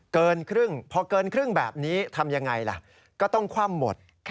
เกินครึ่งพอเกินครึ่งแบบนี้ทำยังไงล่ะก็ต้องคว่ำหมด